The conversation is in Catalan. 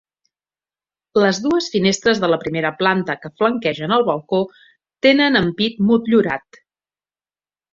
Les dues finestres de la primera planta que flanquegen el balcó tenen ampit motllurat.